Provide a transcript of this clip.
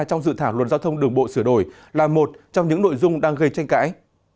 trong dự thảo luật giao thông đường bộ sửa đổi là một trong những nội dung đang gây tranh cãi